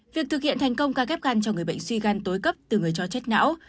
việc thực hiện thành công ca ghép gan cho người bệnh suy gan tối cấp từ người cho chết não